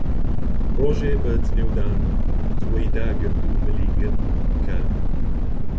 ڕۆژێ بە جنێودان جووەی داگرت و ملی گرت کە: